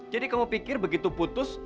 jadi kamu pikir begitu putus